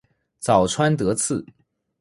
早川德次